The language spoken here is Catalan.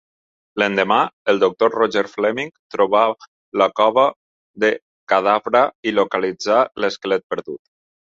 L'endemà, el doctor Roger Fleming troba la cova de Cadavra i localitza l'esquelet perdut.